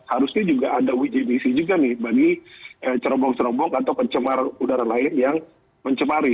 harusnya juga ada uji emisi juga nih bagi cerobong cerobong atau pencemar udara lain yang mencemari